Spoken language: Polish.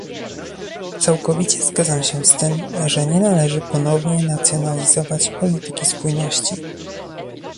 Całkowicie zgadzam się z tym, że nie należy ponownie nacjonalizować polityki spójności